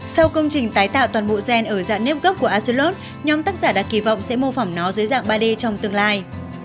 sau công trình tái tạo toàn bộ gen ở dạng nếp gốc của asilot nhóm tác giả đã kỳ vọng sẽ mô phỏng nó dưới dạng ba d trong tương lai